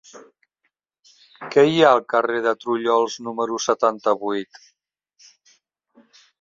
Què hi ha al carrer de Trullols número setanta-vuit?